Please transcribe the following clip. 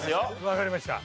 わかりました。